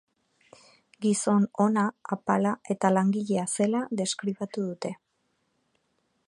Gizon ona, apala eta langilea zela deskribatu dute.